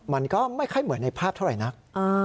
มันก็ไม่ค่อยเหมือนในภาพเท่าไหร่นัก